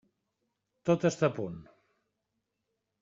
Tot està a punt.